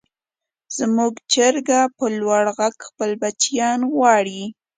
زموږ چرګه په لوړ غږ خپل بچیان غواړي.